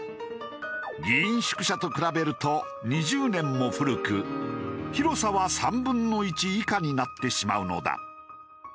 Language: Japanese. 議員宿舎と比べると２０年も古く広さは３分の１以下になってしまうのだ。